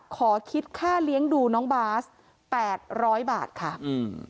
ขอคิดค่าเลี้ยงดูน้องบาสแปดร้อยบาทค่ะอืม